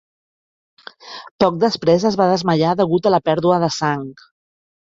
Poc després es va desmaiar degut a la pèrdua de sang.